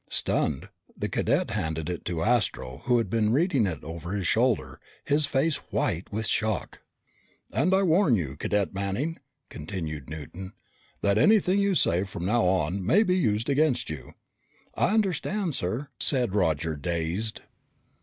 Stunned, the cadet handed it to Astro who had been reading it over his shoulder, his face white with shock. "And I warn you, Cadet Manning," continued Newton, "that anything you say from now on may be used against you." "I understand, sir," said Roger, dazed.